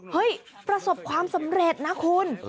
ประสบความสำเร็จนะคุณ